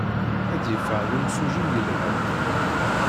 Ad d-yeffeɣ d imsujji yelhan.